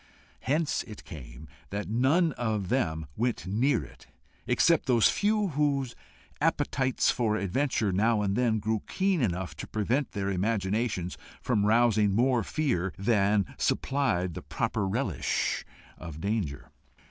Hence it came that none of them went near it, except those few whose appetites for adventure now and then grew keen enough to prevent their imaginations from rousing more fear than supplied the proper relish of danger.